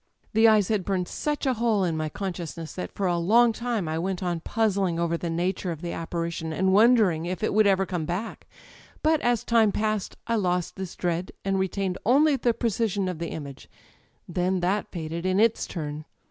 '^The eyes had burned such a hole in my conscious ness that for a long time I went on puzzling over the nature of the apparition, and wondering if it would ever come back. But as time passed I lost this dread, and retained only the precision of the image. Then that faded in its turn.